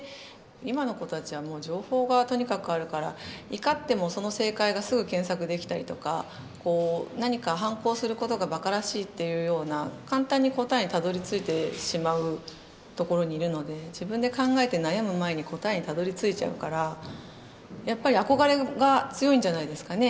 今の子たちはもう情報がとにかくあるから怒ってもその正解がすぐ検索できたりとかこう何か反抗することがばからしいっていうような簡単に答えにたどりついてしまうところにいるので自分で考えて悩む前に答えにたどりついちゃうからやっぱり憧れが強いんじゃないですかね。